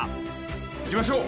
「行きましょう」